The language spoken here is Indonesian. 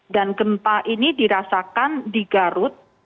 dan gempa ini dirasakan di garut